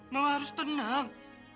mama harus tenang